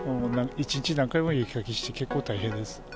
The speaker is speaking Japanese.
１日何回も雪かきして、結構大変です。